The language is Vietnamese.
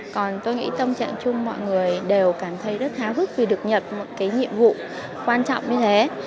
còn tôi nghĩ tâm trạng chung mọi người đều cảm thấy rất háo hức vì được nhập một cái nhiệm vụ quan trọng như thế